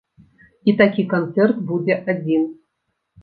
І такі канцэрт будзе адзін.